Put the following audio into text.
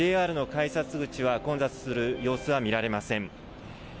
ＪＲの改札口は混雑する様子は見られません。